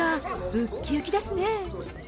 ウッキウキですね！